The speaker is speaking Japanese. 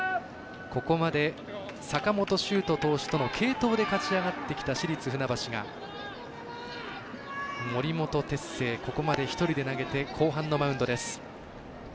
ここまで坂本崇斗投手との継投で勝ち上がってきた市立船橋が森本哲星、ここまで１人で投げて後半のマウンドです。